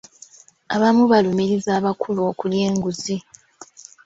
Abamu balumiriza abakulu okulya enguzi.